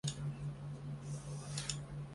春秋时期鲁国人。